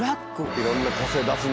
いろんな個性出すね。